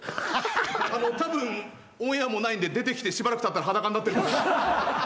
たぶんオンエアもないんで出てきてしばらくたったら裸になってる。